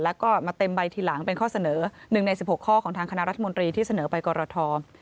แล้วก็มาเต็มใบทีหลังเป็นข้อเสนอ๑ใน๑๖ข้อของทางคณะรัฐมนตรีที่เสนอไปกรท